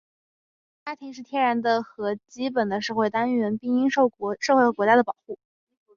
家庭是天然的和基本的社会单元,并应受社会和国家的保护。